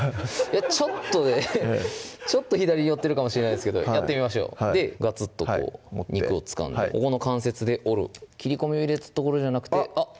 ちょっとねちょっと左寄ってるかもしれないですけどやってみましょうガツッと肉をつかんでここの関節で折る切り込みを入れた所じゃなくてあっ！